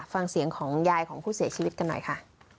ฟังเสียงของยายของผู้เสียชีวิตกันหน่อยค่ะ